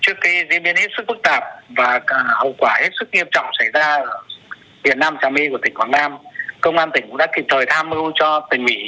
trước cái diễn biến hết sức phức tạp và hậu quả hết sức nghiêm trọng xảy ra ở huyện nam trà my của tỉnh quảng nam công an tỉnh cũng đã kịp thời tham mưu cho tỉnh ủy